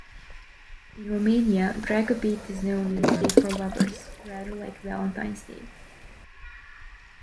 In Romania, Dragobete is known as a day for lovers, rather like Valentine's Day.